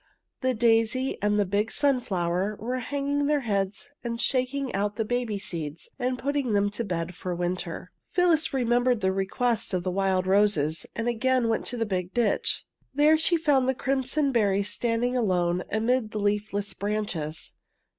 The daisy and the big sun flower were hanging their heads and shaking out the baby seeds and putting them to bed for the winter. Phyllis remembered the request of the wild roses, and again went to the big ditch. There she found the crimson berries standing alone amid the leafless branches.